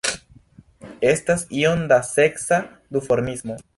Estas iom da seksa duformismo.